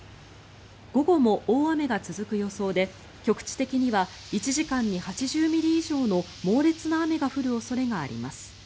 午後も大雨が続く予想で局地的には１時間に８０ミリ以上の猛烈な雨が降る恐れがあります。